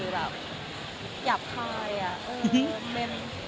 หยับใครอ่ะ